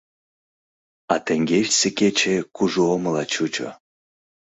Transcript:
А теҥгечсе кече кужу омыла чучо.